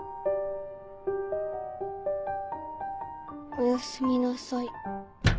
おやすみなさい。